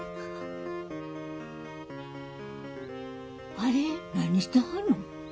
あれ何してはるの？